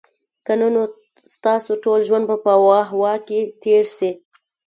که نه نو ستاسو ټول ژوند به په "واه، واه" کي تیر سي